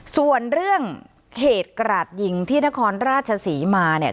ส่วนเรื่องเหตุกราดยิงที่นครราชศรีมาเนี่ย